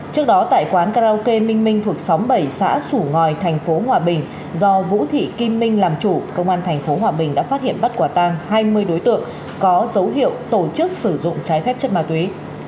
trước đó tại quán karaoke minh thuộc xóm bảy xã sủ ngòi thành phố hòa bình do vũ thị kim minh làm chủ công an tp hòa bình đã phát hiện bắt quả tàng hai mươi đối tượng có dấu hiệu tổ chức sử dụng trái phép chất ma túy